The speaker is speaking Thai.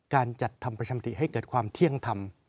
การจัดทำประชามติให้เกิดความเที่ยงธรรม